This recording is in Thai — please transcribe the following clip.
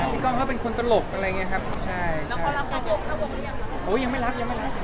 พี่ก้องเขาเป็นคนตลกอะไรอย่างนี้ครับ